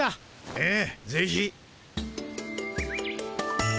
ええぜひ。